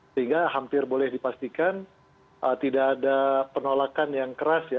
sehingga hampir boleh dipastikan tidak ada penolakan yang keras ya